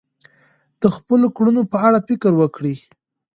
د خپلو کړنو په اړه فکر وکړئ.